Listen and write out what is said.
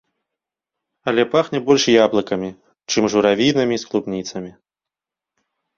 Але пахне больш яблыкамі, чым журавінамі з клубніцамі.